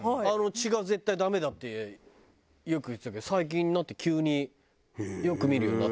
血が絶対ダメだってよく言ってたけど最近になって急によく見るようになったな。